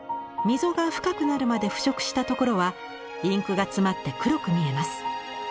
溝が深くなるまで腐食したところはインクが詰まって黒く見えます。